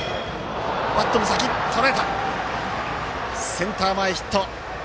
センター前ヒット。